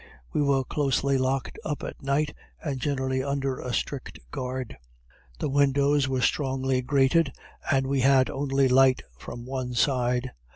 We were closely locked up at night, and generally under a strict guard. The windows were strongly grated, and we had only light from one side.